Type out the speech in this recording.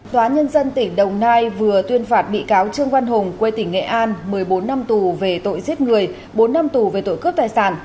tòa nhân dân tỉnh đồng nai vừa tuyên phạt bị cáo trương văn hùng quê tỉnh nghệ an một mươi bốn năm tù về tội giết người bốn năm tù về tội cướp tài sản